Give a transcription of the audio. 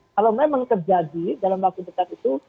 kalau memang terjadi dalam waktu dekat itu